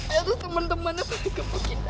tapi aku sama temen temennya pake mungkin ada bu